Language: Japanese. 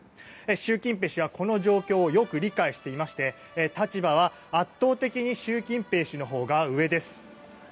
習近平氏は、この状況をよく理解していまして立場は圧倒的に習近平氏のほうが上です。